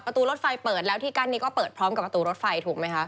ตูรถไฟเปิดแล้วที่กั้นนี้ก็เปิดพร้อมกับประตูรถไฟถูกไหมคะ